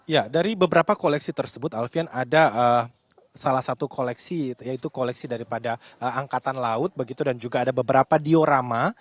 ya dari beberapa koleksi tersebut alfian ada salah satu koleksi yaitu koleksi daripada angkatan laut begitu dan juga ada beberapa diorama